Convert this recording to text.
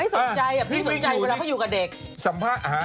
สนใจอ่ะพี่สนใจเวลาเขาอยู่กับเด็กสัมภาษณ์หา